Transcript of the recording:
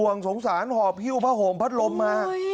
ห่วงสงสารหอบหิ้วผ้าห่มพัดลมมา